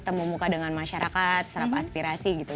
temu muka dengan masyarakat serap aspirasi gitu